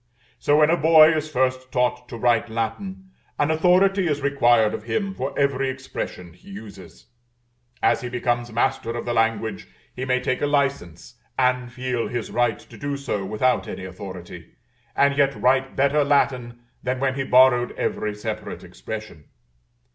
So, when a boy is first taught to write Latin, an authority is required of him for every expression he uses; as he becomes master of the language he may take a license, and feel his right to do so without any authority, and yet write better Latin than when he borrowed every separate expression.